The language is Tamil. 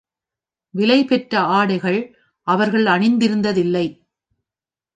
விலைபெற்ற ஆடைகள் அவர்கள் அணிந்ததில்லை.